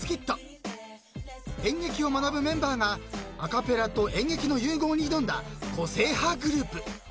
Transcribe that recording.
［演劇を学ぶメンバーがアカペラと演劇の融合に挑んだ個性派グループ］